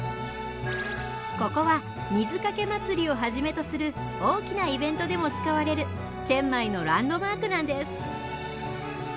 ここは水かけ祭りをはじめとする大きなイベントでも使われるチェンマイのランドマークなんです。